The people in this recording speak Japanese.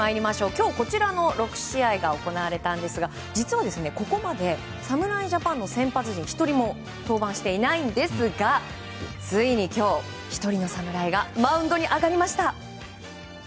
今日こちらの６試合が行われたんですが実はここまで侍ジャパンの先発陣１人も登板していないんですがついに今日、１人の侍がマウンドに上がりました。